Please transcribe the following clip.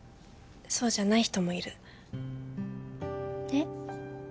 そうじゃない人もいるえっ？